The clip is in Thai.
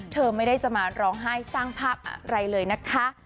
เธอไม่ได้จะมาร้องไห้สร้างภาพอะไรเลยนะคะ